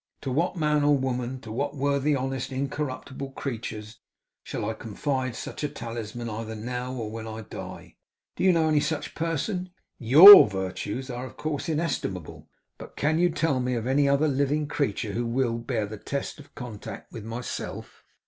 To what man or woman; to what worthy, honest, incorruptible creature; shall I confide such a talisman, either now or when I die? Do you know any such person? YOUR virtues are of course inestimable, but can you tell me of any other living creature who will bear the test of contact with myself?